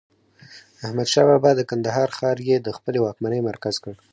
احمدشاه بابا د کندهار ښار يي د خپلې واکمنۍ مرکز کړ.